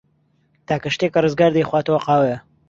تاکە شتێک کە ڕزگار دەیخواتەوە، قاوەیە.